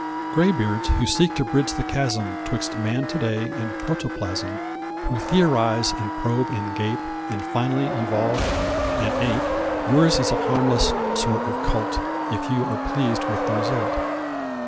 Graybeards, who seek to bridge the chasm 'Twixt man to day and protoplasm, Who theorize and probe and gape, And finally evolve an ape Yours is a harmless sort of cult, If you are pleased with the result.